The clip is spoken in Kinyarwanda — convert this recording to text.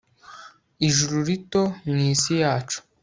ijuru rito mwisi yacu